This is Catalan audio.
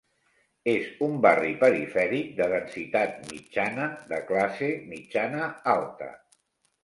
És un barri perifèric de densitat mitjana de classe mitjana alta.